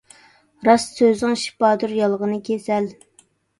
راست سۆزۈڭ شىپادۇر، يالغىنى كېسەل.